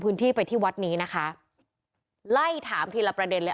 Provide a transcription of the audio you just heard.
พื้นที่ไปที่วัดนี้นะคะไล่ถามทีละประเด็นเลย